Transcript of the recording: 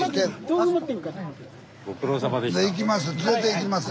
行きます。